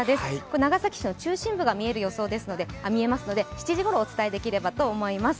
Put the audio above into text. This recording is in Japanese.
長崎市の中心部が見えますので、７時ごろお伝えできればと思います。